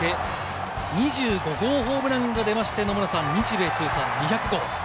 ２５号ホームランが出まして、野村さん、日米通算２００号。